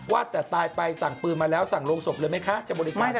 ว่าแต่ตายไปสั่งปืนมาแล้วสั่งโรงศพเลยไหมคะจะบริการได้